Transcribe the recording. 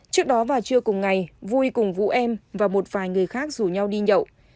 trước đó vào trưa cùng ngày vui cùng vũ em và một vài người khác rủ nhau đi nhậu